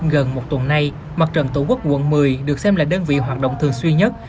gần một tuần nay mặt trận tổ quốc quận một mươi được xem là đơn vị hoạt động thường xuyên nhất